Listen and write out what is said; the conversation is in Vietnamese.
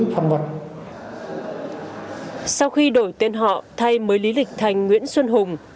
sau khi đổi tên họ thay mới lý lịch thành nguyễn xuân hùng